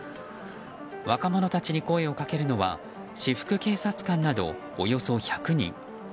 若者たちに声をかけるのは私服警察官などおよそ１００人。